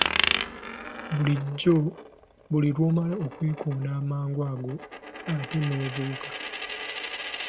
Bulijjo buli lw’omala okwekoona amangu ago ate n'obuuka.